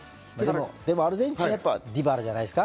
アルゼンチン、やっぱディバラじゃないですか？